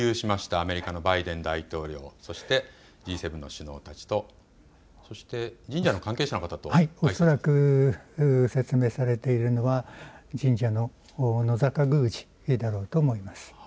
アメリカのバイデン大統領、そしてＧ７の首脳たち、そして神社の関係者の方、恐らく説明されているのは神社ののざか宮司だろうと思います。